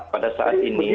pada saat ini